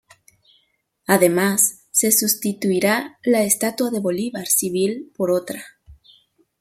Además se sustituirá la estatua de Bolívar civil por otra.